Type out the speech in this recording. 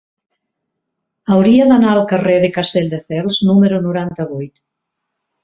Hauria d'anar al carrer de Castelldefels número noranta-vuit.